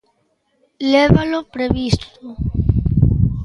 Levalo previsto.